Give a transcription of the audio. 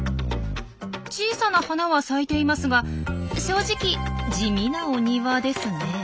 小さな花は咲いていますが正直地味なお庭ですねえ。